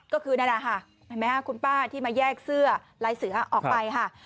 ก็คือนั่นแหละค่ะเห็นไหมฮะคุณป้าที่มาแยกเสื้อลายเสือออกไปค่ะ